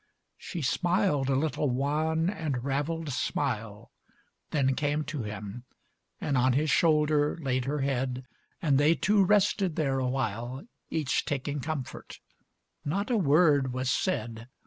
XLIX She smiled a little wan and ravelled smile, Then came to him and on his shoulder laid Her head, and they two rested there awhile, Each taking comfort. Not a word was said.